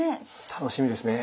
楽しみですね。